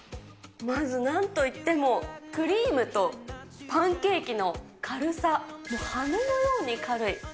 まずなんといってもクリームとパンケーキの軽さ、羽のように軽い。